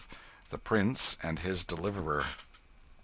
The Prince and his Deliverer.